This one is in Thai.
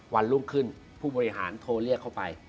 วันรุ่งขึ้นผู้บริหารโทรเรียกเขาไป